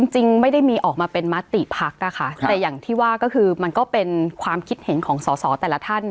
จริงไม่ได้มีออกมาเป็นมติพักนะคะแต่อย่างที่ว่าก็คือมันก็เป็นความคิดเห็นของสอสอแต่ละท่าน